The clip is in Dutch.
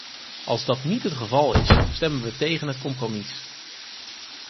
Als dat niet het geval is, stemmen we tegen het compromis.